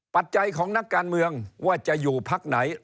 ปัจจัยของนักการเมืองว่าจะอยู่พักไหน